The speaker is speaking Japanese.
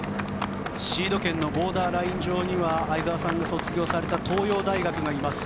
シード権のボーダーライン上には相澤さんが卒業された東洋大学がいます。